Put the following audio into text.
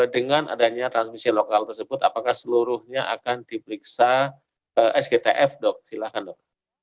dengan adanya transmisi lokal tersebut apakah seluruhnya akan diperiksa sgtf dok silahkan dok